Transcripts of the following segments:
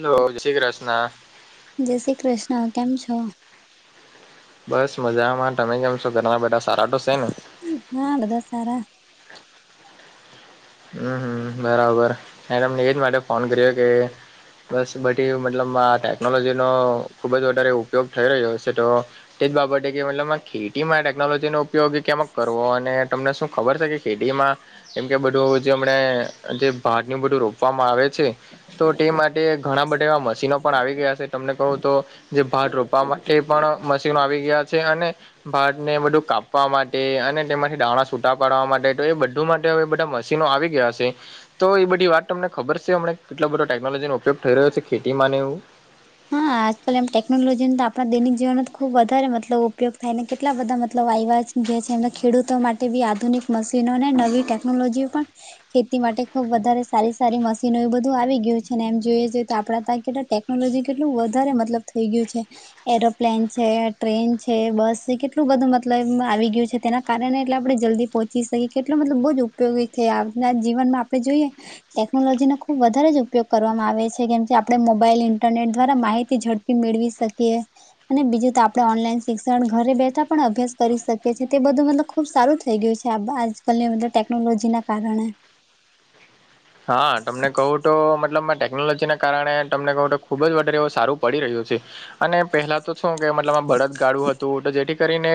Hello જે શ્રી કૃષ્ન જય શ્રી કૃષ્ણ કેમ છો? બસ મજામાં તમે કેમ છો ઘરના બધા સારા તો છે ને? હા, બધા સારા. હમ્મ હમ્મ બરાબર મે તમને એજ માટે ફોન કર્યો કે બસ બધી મતલબ આ ટેકનોલોજીનો ખુબ જ વધારે ઉપયોગ થઈ રહ્યો છે તો તે જ બાબતે કે મતલબ ખેતીમાં ટેકનોલોજીનો ઉપયોગ કેમ કરવો અને તમને શું ખબર છે કે ખેતીમાં એમ કે બધું જેમણે જે ભાત ને બધું રોપવામાં આવે છે. તો તે માટે ઘણા બધા એવા મશીનો પણ આવી ગયા છે તમને કહું તો જે ભાત રોપવા મા તે પણ મશીનો આવી ગયા છે અને ભાત ને બધું કાપવા માટે અને તેમાંથી દાણા સુટા પાડવા માટે તો એ બધું માટે હવે બધા મ મશીનો આવી ગયા છે. તો એ બધી વાત તમને ખબર છે હમને કેટલો બધો ટેકનોલોજીનો ઉપયોગ થઈ રહ્યો છે ખેતી માં ને એવું. હા આજકાલ એમ ટેકનોલોજીને તો આપણા દૈનિક જીવનો તો ખુબ વધારે મતલબ ઉપયોગ થાય ને કેટલા બધા મતલબ આવ્યા છે. જે છે એમના ખેડૂતો માટે બી આધુનિક મશીનોને નવી ટેકનોલોજી પણ ખેતી માટે ખુબ વધારે સારી સારી મશીનો એ બધું આવી ગયું છે ને એમ જોઈએ છે તો આપડા તં કેટ ટેકનોલોજી કેટલું વધારે મતલબ થઈ ગયું છે. એરોપ્લેન છે ટ્રેન છે બસ છે કેટલું બધું મતલબ એ આવી ગયું છે તેના કારણે એટલે આપણે જલ્દી પહોંચી શકીએ કેટલો મતલબ બહુ જ ઉપયોગી થાય આપના જીવનમાં આપણે જોઈએ ટેકનોલોજી નો ખુબ વધારે જ ઉપયોગ કરવામાં આવે છે કેમ કે આપણે મોબાઈલ ઇન્ટરનેટ દ્વારા માહિતી ઝડપી મેળવી શકીએ. અને બીજું તો આપડે ઓનલાઈન શિક્ષણ ઘરે બેઠા પણ અભ્યાસ કરી શકીએ તે બધું મતલબ ખુબ સારું થઇ ગયું છે આ ભા આજકાલની મતલબ ટેકનોલોજીના કારણે. હા તમને કહું તો મતલબ ટેકનોલોજીના કારણે તમને કહું તો ખૂબ જ વારે એવું સારું પડી રહ્યું છે. અને પહેલા તો શું કે મતલબ આ બળદગાડું હતું તો જેથી કરીને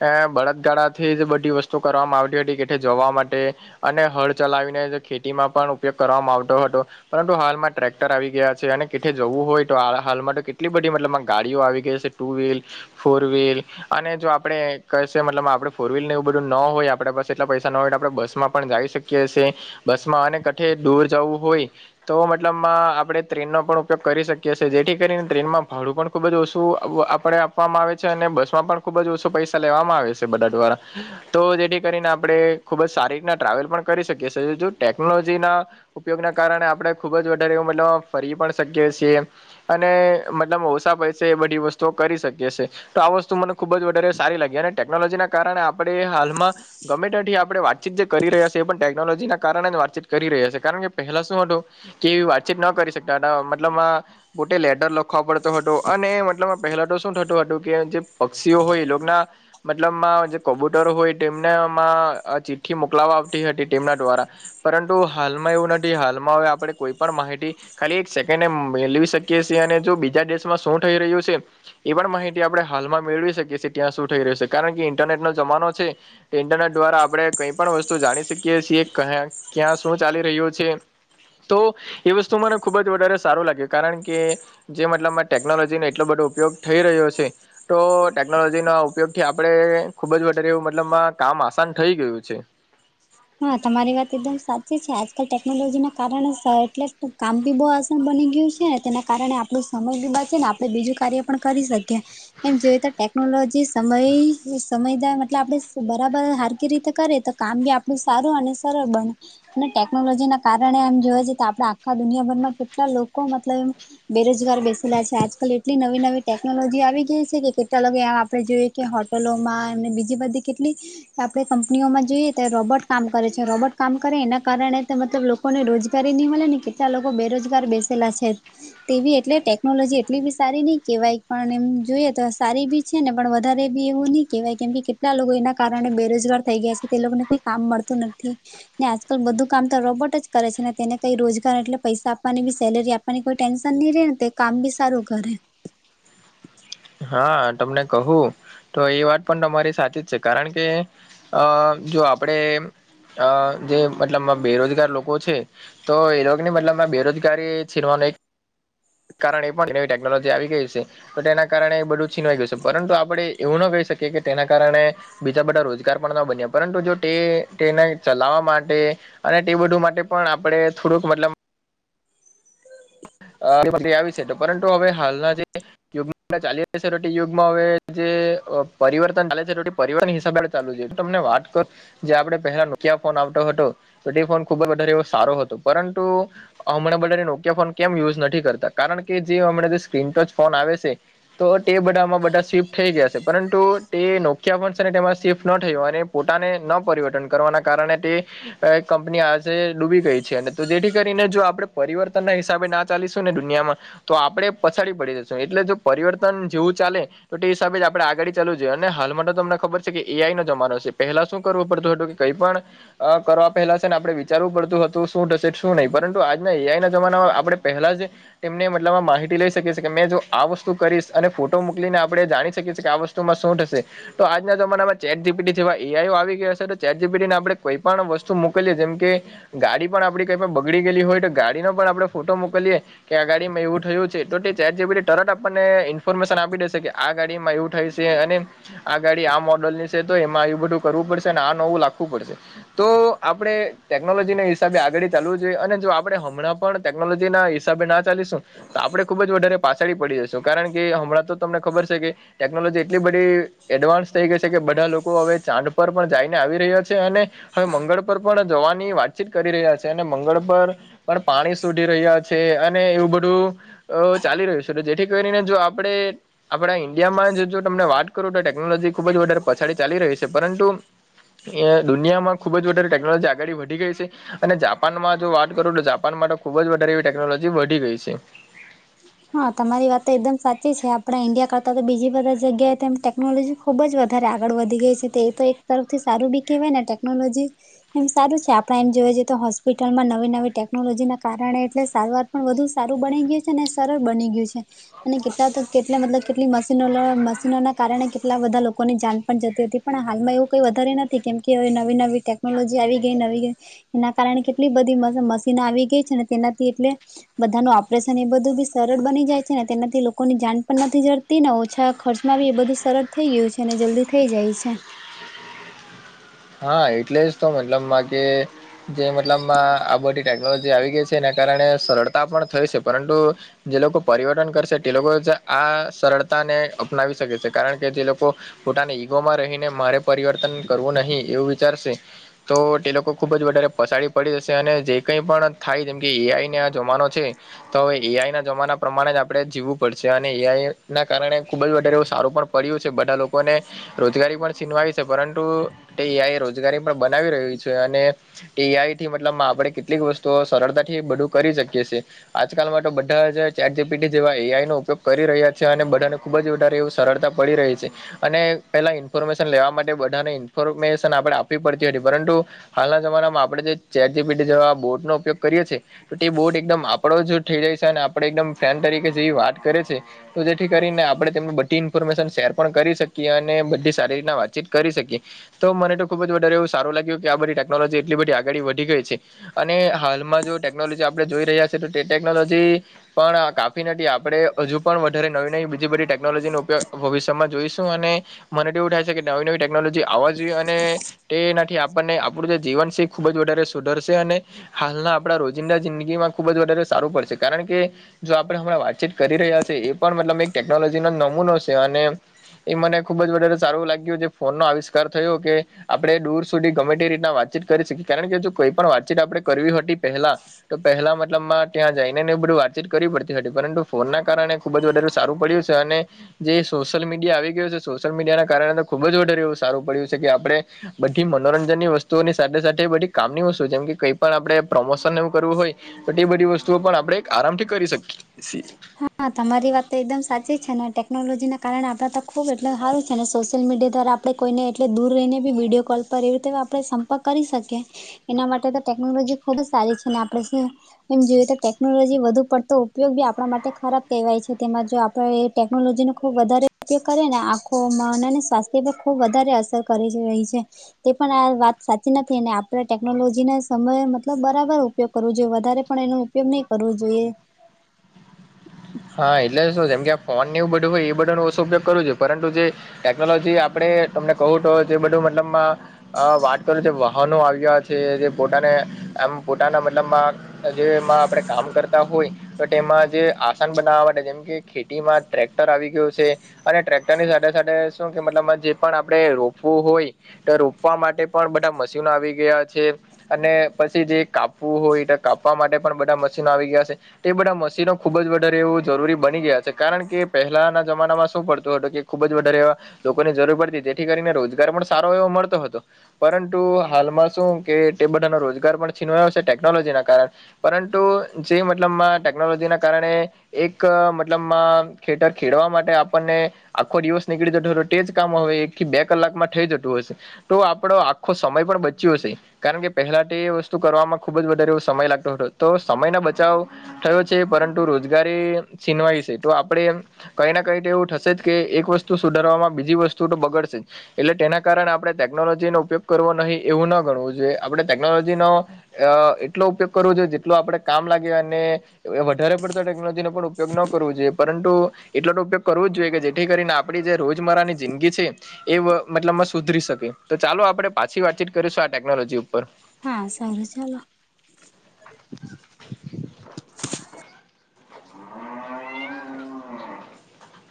અ બળદગાળા થી જ બધી વસ્તુ કરવામાં આવતી હતી કે જવા માટે અને હળ ચલાવીને જે ખેતીમાં પણ ઉપયોગ કરવામાં આવતો હતો. પરંતુ હાલમાં ટ્રેક્ટર આવી ગયા છે અને કથેે જવું હોય તો હાલમાં તો કેટલી બધી મતલબ ગાડીઓ આવી ગઈ છે. ટુ વ્હીલ ફોર વ્હીલ અને જો આપડે કહેશે મતલબ આપણે ફોર વ્હીલ ને એવું બધું ન હોય આપડે બસ એટલા પૈસા ન હોય આપણે બસ માં પણ જઈ શકીએ. કે છે બસ માં આને કઠે દૂર જવું હોય તો મતલબ માં આપડે ટ્રેનનો પણ ઉપયોગ કરી શકીએ જેથી કરીને ટ્રેનમાં ભાડું પણ ખુબ જ ઓછું આપડે આપવામાં આવે છે અને બસ માં પણ ખુબ જ ઓછો પૈસા લેવામાં આવે છે બધા દ્વારા. તો જેથી કરીને આપડે ખુબ જ સારી રીતના ટ્રાવેલ પણ કરી શકીએ છી જો ટેકનોલોજી ટેકનોલોજી ના ઉપયોગ ના કારણે આપણે ખુબ જ વધારે મતલબ ફરી પણ શકીએ છીએ. અને મતલબ ઓછા પૈસે એ બધી વસ્તુઓ કરી શકીએ છે. તો આ વસ્તુ મને ખુબ જ વધારે સારી લાગી અને ટેકનોલોજીના કારણે આપણે હાલમાં ગમે ત્યાંથી આપણે વાતચીત જે કરી રહ્યા છીએ પણ ટેકનોલોજીના કારણે જ વાતચીત કરી રહ્યા છે કારણ કે પહેલા શું હતું કે એવી વાતચીત ના કરી શકતા હતા મતલબ માં પોટે લેટર લખવા પડતો હતો અને મતલબ પહેલા તો શું થતું હતું કે જે પક્ષીઓ હોય એ લોક ના મતલબમાં જે કબુતર હોય તેમનેમાં ચિઠ્ઠી મોકલાવા આવતી હતી તેમના દ્વારા પરંતુ હાલમાં એવું નથી હાલમાં હવે આપણે કોઈ પણ માહિતી ખાલી એક સેકન્ડ એ મે લવી શકીએ છીએ અને જો બીજા દેશમાં શું થઈ રહ્યું છે. એ પણ માહિતી આપડે હાલમાં મેળવી શકીએ ત્યાં શું થઈ રહ્યું છે કારણ કે ઇન્ટરનેટ નો જમાનો છે. ઇન્ટરનેટ દ્વારા આપડે કઈ પણ વસ્તુ જાણી શકીએ છીએ કહ્યા ક્યાં શું ચાલી રહ્યો છે. તો એ વસ્તુ મને ખુબ જ વધારે સારું લાગ્યું કારણ કે જે મતલબમાં ટેકનોલોજી નો એટલો બધો ઉપયોગ થઈ રહ્યો છે. તો ટેકનોલોજી ના ઉપયોગ થી આપડે ખુબ જ વધારે એવું મતલબમાં કામ આસાન થઈ ગયું છે. હા તમારી વાત એકદમ સાચી છે આજકાલ ટેકનોલોજી ના કારણે સા એટલે તો કામ બી બહુ આસાન બની ગયું છે તેના કારણે આપણું સમય બી બચે ને આપડે બીજું કાર્ય પણ કરી શકીએ. એમ જોઈએ તો ટેકનોલોજી સમય સમયદ મતલબ આપણેે બરાબર હારકી રીતે કરે તો કામ બી આપ બ સારું અને સરળ બને. અને ટેકનોલોજી ના કારણે એમ જોવે છે આપડે આખા દુનિયાભરમાં કેટલા લોકો મતલબ એમ બેરોજગાર બેસેલા છે આજકાલ એટલી નવી નવી ટેકનોલોજી આવી ગઈ છે કે કેટલા આમ આપણે જોઈએ કે હોટલોમાં એમને બીજી બધી કેટલી આપણેે કંપનીઓમાં જોઈએ તો રોબર્ટ કામ કરે છે રોબોટ કામ કરે એના કારણે મતલબ લોકોને રોજગારી નહી મળે ને કેટલા લોકો બેરોજગાર બેસે છે તેવી એટલે ટેકનોલોજી એટલી બી સારી નહિ કેવાય પણ એમ જોઈએ તો સારી બી છે ને પણ વધારે બી એવું નહી કેવાય કેમ કે કેટલા લોકો એના કારણે બેરોજગાર થઈ ગયા છે તે લોકોને ઈ કામ મળતું નથી. ને આજકાલ બધું કામ તો રોબોટ જ કરે છે ને તેને કઈ રોજગાર એટલે પૈસા આપવાની બી સેલેરી આપ કોઈ ટેન્શન નહી રહેે ને તો કામ બી સારું કરે હા તમને કહું તો એ વાત પણ તમારી સાચી જ છે કારણ કે અ જો આપડે અ જે મતલબ બેરોજગાર લોકો છે તો એ રોગની મતલબમાં બેરોજગારી છીનવાનો એક કારણ એ પણ નવી ટેકનોલોજી આવી ગઈ છે તો તેના કારણે બધું છીનવાઈ ગયું છે પરંતુ આપડે એવું ના કરી શકીએ કે તેના કારણે બીજા બધા રોજગાર પણ ના બન્યા પરંતુ જો તે તેને ચલાવવા માટે અને તે બધું માટે પણ આપડે થોડુંક મતલબ અ આવી છે પરંતુ હવે હાલના જે યુગમાં ચાલી રહ્યું યુગમાં હવે જે પરિવર્તન ચાલે છે રોટી પરિવર્તન હિસાબે ચાલુ છે તમને વાત કર જે આપણે પહેલા નોકિયા ફોન આવતો હતો તો તે ફોન ખુબ જ વધારે એવો સારો હતો પરંતુ હમણાં બધા નોકિયા ફોન કેમ યુઝ નથી કરતા કારણ કે જે હમણાં જે સ્ક્રીન ટચ ફોન આવે છે તો તે બધામાં બધા સિફ્ટ થઈ ગયા છે પરંતુ તે નોક્યા પણ છે અને તેમાં સ્વિફ્ટ ન થયુ અને પોતાને ન પરિવર્તન કરવાના કારણે તે કંપની આજે ડૂબી ગઈ છે અને તો જેથી કરીને જો આપડે પરિવર્તન ના હિ હિસાબે ના ચાલીશું ને દુનિયામાં તો આપડે પછાડી પડી જશું એટલે જો પરિવર્તન જેવું ચાલે તો તે હિસાબે જ આપણે આગાડી ચાલુ જોઈએ અને હાલમાં તો તમને ખબર છે કે એઆઈ નો જમાનો હશે પેલા શું કરવો પડતું હતું કે કઈ પણ અ કરવા પહેલા છે ને આપડે વિચારવું પડતું હતું શું થશે શું નહી પરંતુ આજના એ આઈ ના જમાનામાં આપણે પહેલા જે તેમને મતલબ આ માહિતી લઈ શકીએ કેં જો આ વસ્તુ કરીશ અને ફોટો મોકલીને આપડણે જાણી શકીએ છીએ કે આ વસ્તુ તો એમાં શુંઠ હશે તો આજના જમાનામાં ચેટ જીબીટી જેવા એઆઈઓ આવી ગયો હ છે તો ચેટ જીબીટીને આપણે કોઈ પણ વસ્તુ મોકલીએ જેમ કે ગાડી પણ આપડી કઈ બગડી ગયેલી હોય તો ગાડીનો પણ આપડણે ફોટો મોકલીએ કે આ ગાડીમાં એવું થયું છે તો તે ચેટ જીપીટી તરત આપણને ઇન્ફોર્મેશન આપી દેશે કે આ ગાડી માં એવું થાય અને આ ગાડી આ મોડલ ની છે તો એમાં એવુ બધું કરવું પડશે અને આ નવું લખવું પડશે. તો આપણે ટેકનોલોજી ના હિસાબે આગળ ચાલવું જોઈએ અને જો આપણે હમણાં પણ ટેકનોલોજી ના હિસાબે ના ચાલીશું તો આપડણે ખુબ જ વધારે પાછડી પડી જશું કારણ કે હમણાં તો તમને ખબર છે કે ટેકનોલોજી એટલી બધી એડવાન્સ થઈ ગઈ છે કે બધા લોકો હવે ચાંદ પર પણ જઈને આવી રહ્યા છે અને હવે મંગળ પર પણ જવાની વાતચીત કરી રહ્યા છે અને મંગળ પર પણ પા શોધી રહ્યા છે અને એવું બધું અ ચાલી રહ્યું છે જેથી કરીને જો આપણેે આપડા ઈન્ડિયામાં જો તમને વાત કરું તો ટેકનોલોજી ખુબ જ વધારે પછાડી ચાલી રહી છે પરંતુ દુનિયામાં ખૂબ જ વધારે ટેકનોલોજી આગળી વધી ગઈ છે. અને જાપાનમાં જો વાત કરું તો જાપાનમાં તો ખુબ જ વધારે એવી ટેકનોલોજી વધી ગઈ છે. હા તમારી વાત તો એકદમ સાચી છે આપડા ઈન્ડિયા કરતા તો બીજી બધા જગ્યાએ તેમ ટે ટેકનોલોજી ખુબ જ વધારે આગળ વધી ગઈ છે તે એ તો એક તરફથી સારું બી કહેવાય ને ટેકનોલોજી એમ સારું છે આપણે એમ જોવા જઈએ તો હોસ્પિટલમાં નવી નવી ટેકનોલોજીના કારણે એટલે સારવાર પણ વધુ સારું બની ગયું છે સરળ બની ગયું છે અને કેટલા તો કેટલા મતલબ કેટલી મશીનો મશીનો ના કારણે કેટલા બધા લોકોની જાણ પણ જતી હતી પણ હાલમાં એવું કંઈ વધારે નથી કેમ કે નવી નવી ટેક ટેકનોલોજી આવી ગઈ નવી નવી એના કારણે કેટલી બધી મશીન આવી ગઈ છે અને તેનાથી એટલે બધાનું ઓપરેશન એ બધું બી સરળ બની જાય છે ને તેનાથી લોકોની જાણ પણ નથી જડતી ને ઓછા ખર્ચમાં બી એ બધું સરળ થઈ ગયું છે અને જલ્દી થઈ જાય છે [inaudible] હા એટલે જ તો મતલબમાં કે જે મતલબમાં આ બધી ટેકનોલોજી આવી ગઈ છે એના કારણે સરળતા પણ થઈ છે પરંતુ જે લોકો પરિવર્તન કરશે તે લોકો જ આ સરળતાને અપનાવી શકે છે કારણ કે જે લોકો પોતાને ઈગોમાં રહીને મારે પરિવર્તન કરવું નહી એવું વિચારશે તો તે લોકો ખૂબ જ વધારે પસાડી પડી જશે અને જે કંઈ પણ થાય જેમ કે એઆઈને આ જમાનો છે. તો હવે એઆઈ ના જમાના પ્રમાણે જ આપડે જીવવું પડશે અને એઆઈ ના કારણે ખુબ જ વધારે એવો સારો પણ પડ્યું છે બધા લોકોને રોજગારી પણ છીનવાય છે, પરંતુ તે એઆઈ રોજગારી પણ બનાવી રહ્યું છે, અને એઆઈથી મતલબમાં આપડે કેટલીક વસ્તુઓ સરળતાથી બધું કરી શકીએ છીએ. આજકાલમાં તો બધા જે ચેટજીપીટી જેવા એઆઈ નો ઉપયોગ કરી રહ્યા છે અને બધાને ખૂબ જ વધારે એવું સરળતા પડી રહી છે અને પેહેલાં ઇન્ફોર્મેશન લેવા માટે બધાને ઇન્ફોર્મેશન આપડે આપવી પડતી હતી પરંતુ હાલના જમાનામાં આપડે જે ચેટજીપીટી જેવા બોટ નો ઉપયોગ કરીએ છીએ. તો તે બોટ એકદમ આપડો જ થઈ જાય છે અને આપડે એકદમ ફેન તરીકે જેવી વાત કરે છે. તો જેથી કરીને આપડે તેમનું બધી ઈન્ફોર્મેશન શેર પણ કરી શકીએ અને બધી સારી રીતના વાતચીત કરી શકીએ. તો મને તો ખુબ જ વધારે એવું સારું લાગ્યું કે આ બધી ટેકનોલોજી એટલી બધી આગાડી વધી ગઈ છે. અને હાલમાં જો ટેકનોલોજી આપડે જોઈ રહ્યા છે તો તે ટેકનોલોજી પણ અ કાફી નથી આપડે હજુ પણ વધારે નવી નવી બીજી બધી ટેકનોલોજીનો ઉપયોગ ભવિષ્યમાં જોઈશું અને મને તો એવું થાય છે કે નવી નવી ટેકનોલોજી આવાજ અને તેનાથી આપણને આપડુ જે જીવન છે એ ખુબ જ વધારે સુધરશે અને હાલના આપડા રોજિંદા જિંદગીમાં ખુબ જ વધારે સારું પડશે કારણ કે જો આપડે હમણાં વા ચીત કરી રહ્યા છે એ પણ મતલબ એક ટેકનોલોજી નો નમૂનો છે, અને એ મને ખુબ જ વધારે સારું લાગ્યું જે ફોનના આવી કાર થયો કે આપડે દૂર સુધી ગમે તે રીતના વાતચીત કરી શકીએ કારણ કે જો કોઈ પણ વાતચીત આપડે કરવી હતી પેહેલા તો પેહેલા મતલબમાં ત્યાં જઈને ને એ બધું વાતચીત કરવી પડતી હતી પરંતુ ફોન ના કારણે ખુબ જ વધારે સારું પડ્યું છે અને જે સોશિયલ મીડિયા આવી ગયું છે સોશિયલ મીડિયાના કારણે ખુબ જ વધારે એવું સારું પડ્યું છે કે આપડે બધી મનોરંજનની વસ્તુઓની સાથે સાથે બધી કામની વસ્તુ જેમ કે કઈ પણ આપડે પ્રમોશનને એવું કરવું હોય તો તે બધી વસ્તુઓ પણ આપડે એક આરામથી કરી શકીએ સીએ. હા, તમારી વાત તો એકદમ સાચી છે ને ટેકનોલોજીના કારણે આપણા તો ખૂબ એટલ હારું છે ને સોશિયલ મીડિયા દ્વારા આપડે કોઈને એટલે દૂર રહીને બી વિડીયો કોલ પર એવી રીતે આપણે સંપર્ક કરી શકીએ. એના માટે તો ટેકનોલોજી ખુબ જ સારી છે અને આપડે સ એમ જોઈએ તો ટેકનોલોજી વધુ પડતો ઉપયોગ બી આપડા માટે ખરાબ કેહેવાય છે, તેમાં જો આપણે એ ટેકનોલોજીનો ખૂબ વધારે ઉપયોગ કરીએ ને આખો ખોમાં અને ને સ્વાસ્થ્ય પર ખૂબ વધારે અસર કરે છે જે તે પણ આ વાત સાચી નથી અને આપણે ટેકનોલોજીને સમય મતલબ બરાબર ઉપયોગ કરવો જોઈએ વધારે પણ એનું તેવું નઈ કરવું જોઈએ. [inaudible] હા એટલે શું જેમ કે આ ફોન ને એવું બધું હોય એ બધાનો ઓશો ઉપયોગ કરવો જોઈ, પરંતુ જે ટેકનોલોજી આપડે તમને કહું તો જે બધું મતલબમાં અ વાત કરું જે વાહનો આવી ગયા છે, જે પોતાને એમ પોતાના મતલબમાં અ જે એમાં આપડે કામ કરતા હોય તો તેમાં જે આસ સાન બનાવવા માટે જેમ કે ખેતીમાં ટ્રેક્ટર આવી ગયું છે. અને ટ્રેક્ટરની સાથે સાથે શું કે મતલબમાં જે પણ આપડે રોપવું હોય તે રોપવા માટે પણ બધા મશીનો આવી ગયા છે. અને પછી જે કાપવું હોય તો કાપવા માટે પણ બધા મશીનો આવી ગયા સે. તે બધા મશીનો ખુબજ વ ધારે એવું જરૂરી બની ગયા છે કારણ કે પેહેલાના જમાનામાં શું પડતું હતું કે ખુબ જ વધારે એવા લોકોની જરૂર પડતી તેથી કરીને રોજગાર પણ સારો એવો મળતો હતો. પરંતુ હાલમાં શું કે તે બધાનો રોજગાર પણ છીનવા્યો છે ટેકનોલોજીના કારણ પરંતુ જે મતલબમાં ટેકનોલોજીના કારણે એક અ મતલબમાં ખેટર ખેડવા માટે આપણને આખો દિવસ નીકળી જતો હતો તે જ કામ હવે એક થી બે કલાકમાં થઈ જતું હશે તો આપડો આખો સમય પણ બચ્યો હશે કારણ કે પહેલા તે વસ્તુ કરવામાં ખુબ જ વધારે એવો સમય લાગતો હતો તો સમય ના બચાવ થયો છે પરંતુ રોજગારી છીનવાય છે તો આપડણે કઈ ના કઈ તો એવું થશે જ કે એક વસ્તુ સુધારવામાં બીજી વસ્તુ તો બગડશે એટલે તેના કારણે આપણે ટેકનોલોજી નો ઉપયોગ કરવો નહી એવું ના ગણવું જોઈએ આપણે ટેકનોલોજીનો અ એટલો ઉપયોગ કરવો જો જેટલ આપડે કામ લાગે અને વધારે પડ ટેકનોલોજી ન પણ ઉપયોગ કરવો જોઈએ પરંતુ એટલો તો ઉપયોગ કરવું જ જોઈએ જેથી કરીને આપડી જે રોજમરાની જિંદગી છે એ મતલબમાં સુધરી શકે તો ચાલો આપણે પાછી વાતચીત કરીશું આ ટેકનોલોજી ઉપર હા સારું ચાલો [unintelligible]